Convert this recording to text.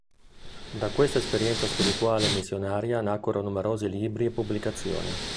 Da questa esperienza spirituale e missionaria nacquero numerosi libri e pubblicazioni.